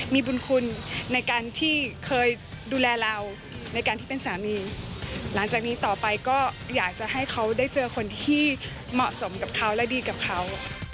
มีบุญคุณในการที่เคยดูแลเราในการที่เป็นสามีหลังจากนี้ต่อไปก็อยากจะให้เขาได้เจอคนที่เหมาะสมกับเขาและดีกับเขา